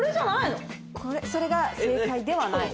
それが正解ではない。